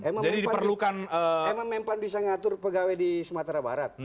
mempan memang bisa mengatur pegawai di sumatera barat